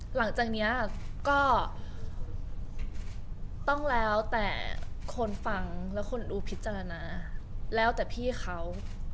หลังจากนี้ก็ต้องแล้วแต่คนฟังแล้วคนดูพิจารณาแล้วแต่พี่เขา